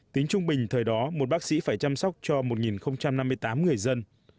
tính trung bình thời đó một bác sĩ phải chăm sóc cho một năm mươi tám người dân